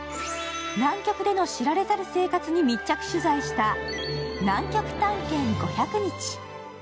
南極での知られざる生活に密着取材した「南極探検５００日」。